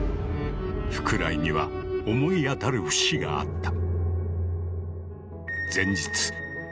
福来には思い当たる節があった。